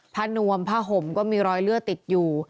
นวมผ้าห่มก็มีรอยเลือดติดอยู่